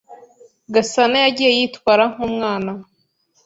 Gasanayagiye yitwara nkumwana.